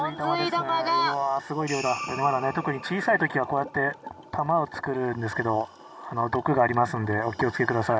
うわすごい量だまだね特に小さい時はこうやって玉をつくるんですけど毒がありますんでお気を付けください。